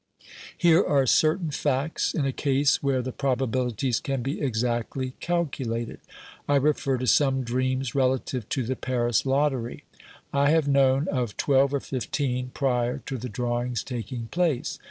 Here are certain facts in a case where the probabilities can be exactly calculated. I refer to some dreams relative to the Paris lottery. I have known of twelve or fifteen prior to the drawings taking place.